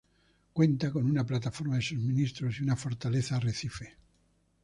Cuenta con una plataforma de suministros y una fortaleza arrecife.